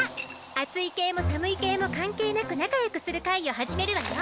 熱い系も寒い系も関係なく仲よくする会を始めるわよ。